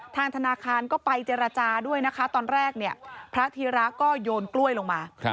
ทางธนาคารก็ไปเจรจาด้วยนะคะตอนแรกเนี่ยพระธีระก็โยนกล้วยลงมา